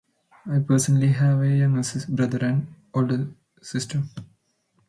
I personally have a younger brother and an older sister.